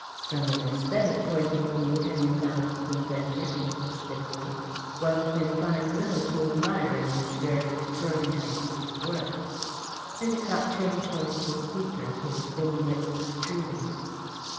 "From an æsthetic point of view," Henry Ballaston ventured a little stiffly, "one can find little to admire in this very extraordinary piece of work." Endacott turned towards the speaker, his thin lips protruding.